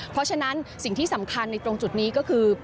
เพราะฉะนั้นสิ่งที่สำคัญในตรงจุดนี้ก็คือ